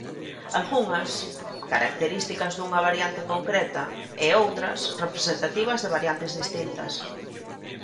Algunhas, características dunha variante concreta, e outras, representativas de variantes distintas.